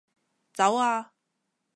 走啊